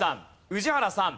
宇治原さん